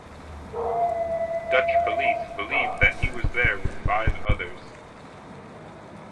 Dutch police believe that he was there with five others.